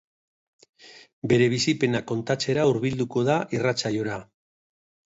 Bere bizipenak kontatzera hurbilduko da irratsaiora.